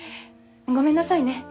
ごめんなさいね。